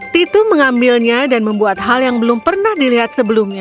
titu mengambilnya dan membuat hal yang belum pernah dilihat sebelumnya